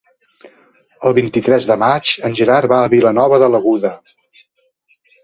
El vint-i-tres de maig en Gerard va a Vilanova de l'Aguda.